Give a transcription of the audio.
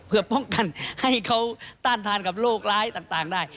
เพื่อป้องกันให้เขาต้านทานกับโรคร้ายต่างได้